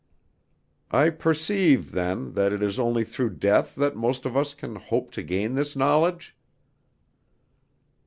"I perceive, then, that it is only through death that most of us can hope to gain this knowledge."